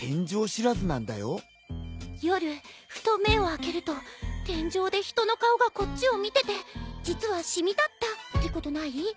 夜ふと目を開けると天井で人の顔がこっちを見てて実は染みだったってことない？